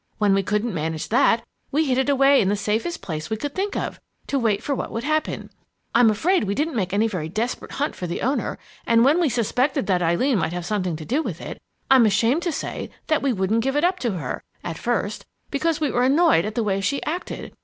When we couldn't manage that, we hid it away in the safest place we could think of, to wait for what would happen. I'm afraid we didn't make any very desperate hunt for the owner, and when we suspected that Eileen might have something to do with it, I'm ashamed to say that we wouldn't give it up to her at first because we were annoyed at the way she acted.